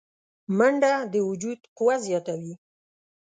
منډه د وجود قوه زیاتوي